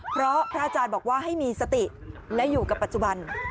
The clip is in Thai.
เพราะพระอาจารย์บอกว่าให้มีสติและอยู่กับปัจจุบัน